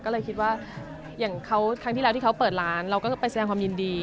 ก็เลยคิดว่าอย่างครั้งที่แล้วที่เขาเปิดร้านเราก็ไปแสดงความยินดี